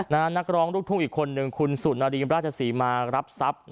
นะนักร้องลูกทุ้งอีกคนนึงคุณศุนรีบราชศรีมารับซับ